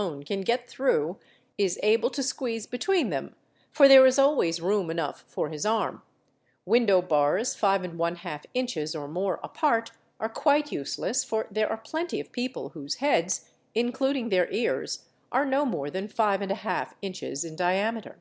THEFT can get through is able to squeeze between them, for there is always room enough for his arm: window bars 54 inches or more apart are quite useless, for there are plenty of people | whose heads (including their ears) are no more than 54 inches in diameter.